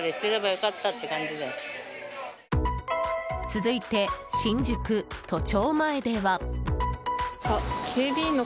続いて、新宿・都庁前では。